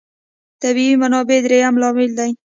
طبیعي منابع درېیم لامل دی.